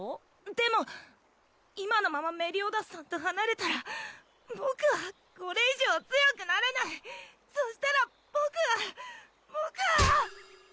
でも今のままメリオダスさんと離れたら僕はこれ以上強くなれないそしたら僕は僕はゴン！